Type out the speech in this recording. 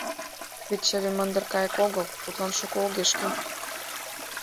Вет чыве мындыр кайык огыл, тудлан шуко огеш кӱл.